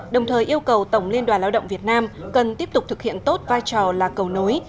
đồng thời yêu cầu tổng liên đoàn lao động việt nam cần tiếp tục thực hiện tốt vai trò là cầu nối